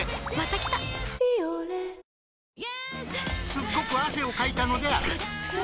すっごく汗をかいたのであるあっつ。